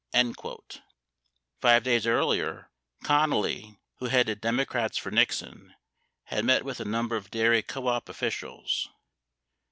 58 Five days earlier, Connally, who headed Democrats for Nixon, had met with a number of dairy co op officials.